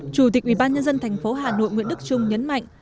chủ tịch ubnd thành phố hà nội nguyễn đức trung nhấn mạnh